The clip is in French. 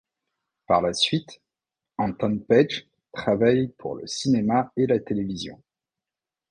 Par la suite, Anton Petje travaille pour le cinéma et la télévision.